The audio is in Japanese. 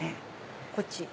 こっち？